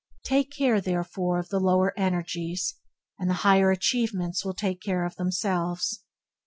Take care, therefore, of the lower energies, and the higher achievements will take care of themselves.